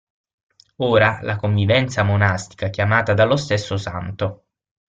Ora, la convivenza monastica chiamata dallo stesso santo.